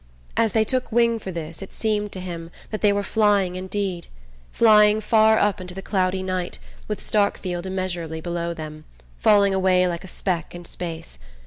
As they took wing for this it seemed to him that they were flying indeed, flying far up into the cloudy night, with Starkfield immeasurably below them, falling away like a speck in space...